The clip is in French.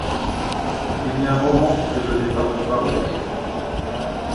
Il y a un moment que je n'ai pas préparé de choucroute.